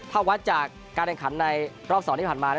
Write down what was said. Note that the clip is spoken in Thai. ถ้าวัดจากการแข่งขันในรอบ๒ที่ผ่านมา